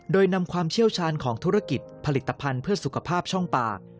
โดยนำความเชี่ยวชาญของธุรกิจผลิตภัณฑ์เพื่อสุขภาพช่องปาก